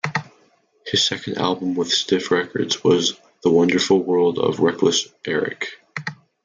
His second album with Stiff Records was "The Wonderful World of Wreckless Eric".